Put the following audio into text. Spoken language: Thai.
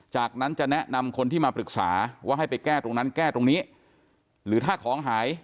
จากนั้นจะแนะนำคนที่มาปรึกษาว่าให้ไปแก้ตรงนั้นแก้ตรงนี้หรือถ้าของหาย